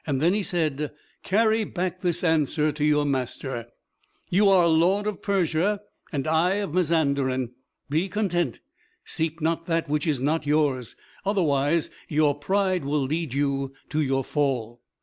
Then he said, "Carry back this answer to your master: 'You are lord of Persia, and I of Mazanderan. Be content; seek not that which is not yours. Otherwise your pride will lead you to your fall.'"